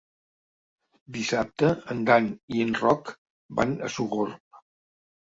Dissabte en Dan i en Roc van a Sogorb.